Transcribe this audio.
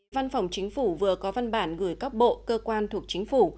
văn phòng chính phủ vừa có văn bản gửi các bộ cơ quan thuộc chính phủ